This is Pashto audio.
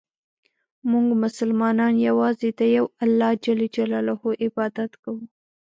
مونږ مسلمانان یوازې د یو الله ج عبادت کوو.